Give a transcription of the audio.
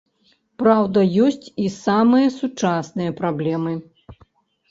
Праўда, ёсць і самыя сучасныя праблемы.